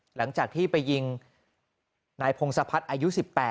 หลังจากที่ไปยิงนายพงศพัฒน์อายุ๑๘